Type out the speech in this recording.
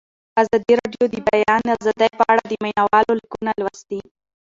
ازادي راډیو د د بیان آزادي په اړه د مینه والو لیکونه لوستي.